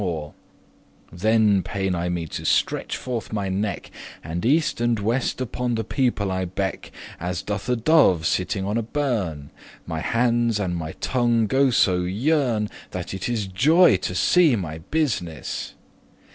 *jests, deceits Then pain I me to stretche forth my neck, And east and west upon the people I beck, As doth a dove, sitting on a bern;* *barn My handes and my tongue go so yern,* *briskly That it is joy to see my business.